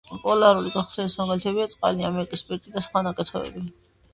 პოლარული გამხსნელების მაგალითებია წყალი, ამიაკი, სპირტები, და სხვა ნივთიერებები.